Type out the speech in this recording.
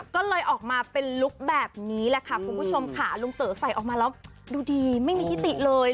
ก็เลยออกมาเป็นลุคแบบนี้แหละค่ะคุณผู้ชมค่ะลุงเต๋อใส่ออกมาแล้วดูดีไม่มีทิติเลย